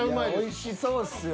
おいしそうっすよ。